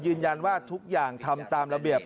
ยืนยันว่าทุกอย่างทำตามระเบียบ